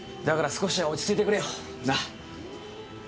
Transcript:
だから少しは落ち着いてくれよ。な？